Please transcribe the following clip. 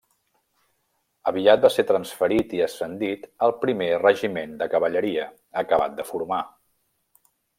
Aviat va ser transferit i ascendit al Primer Regiment de Cavalleria, acabat de formar.